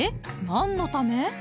何のため？